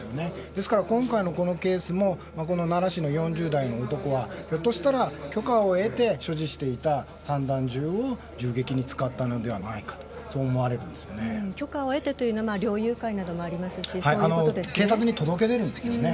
ですから、今回のケースも奈良市の４０代の男はひょっとしたら許可を得て所持していた散弾銃を銃撃に使ったのではないかと許可を得てというのは猟友会などもありますしそういうことですね。